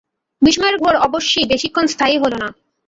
বিস্ময়ের ঘোর অবশ্যি বেশিক্ষণ স্থায়ী হলো না।